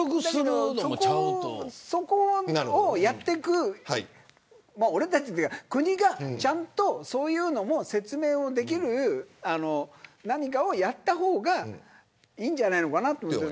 そこをやっていく俺たちというか国がちゃんとそういうのも説明できる何かをやった方がいいんじゃないのかなと思う。